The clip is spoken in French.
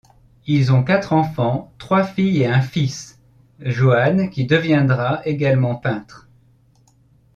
Ils ont quatre enfants, trois filles et un fils, Johannes qui deviendra également peintre.